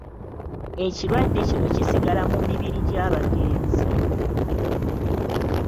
Ekirwadde kino kisigala mu mibiri gy'abagenzi.